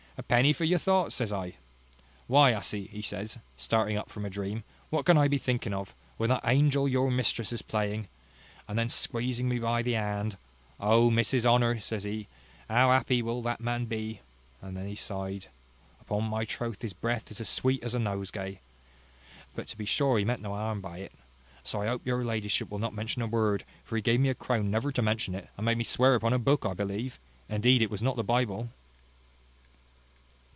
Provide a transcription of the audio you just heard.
a penny for your thoughts, says I. Why, hussy, says he, starting up from a dream, what can I be thinking of, when that angel your mistress is playing? And then squeezing me by the hand, Oh! Mrs Honour, says he, how happy will that man be! and then he sighed. Upon my troth, his breath is as sweet as a nosegay. But to be sure he meant no harm by it. So I hope your ladyship will not mention a word; for he gave me a crown never to mention it, and made me swear upon a book, but I believe, indeed, it was not the Bible."